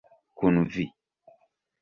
Kun vi.